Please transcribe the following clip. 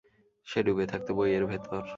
সে ডুবে থাকত বইয়ের ভেতর।